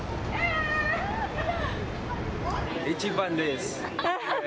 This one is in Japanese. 一番です。